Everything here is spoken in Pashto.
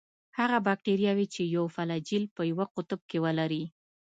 هغه باکتریاوې چې یو فلاجیل په یوه قطب کې ولري.